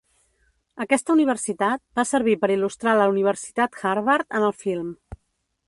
Aquesta universitat va servir per il·lustrar la Universitat Harvard en el film.